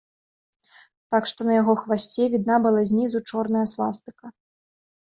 Так што на яго хвасце відна была знізу чорная свастыка.